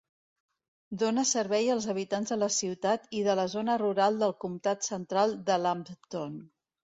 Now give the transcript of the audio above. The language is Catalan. Dóna servei als habitants de la ciutat i de la zona rural del comtat central de Lambton.